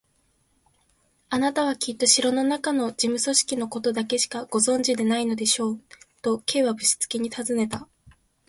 「あなたはきっと城のなかの事務組織のことだけしかご存じでないのでしょう？」と、Ｋ はぶしつけにたずねた。